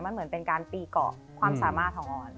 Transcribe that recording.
มันเหมือนเป็นการตีเกาะความสามารถของออน